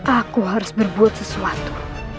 aku harus berbuat sesuatu